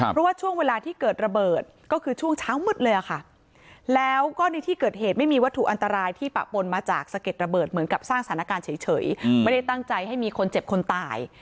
เพราะว่าช่วงเวลาที่เกิดระเบิดก็คือช่วงเช้ามืดเลยค่ะแล้วก็ในที่เกิดเหตุไม่มีวัตถุอันตรายที่ปะปนมาจากสะเก็ดระเบิดเหมือนกับสร้างสถานการณ์เฉยไม่ได้ตั้งใจให้มีคนเจ็บคนตาย